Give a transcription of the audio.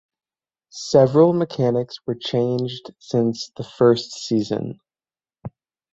Several mechanics were changed since the first season.